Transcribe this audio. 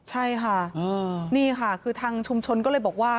ใช่ค่ะนี่ค่ะคือทางชุมชนก็เลยบอกว่า